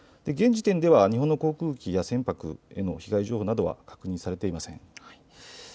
現時点では日本の航空機や船舶への被害情報などは確認されていません。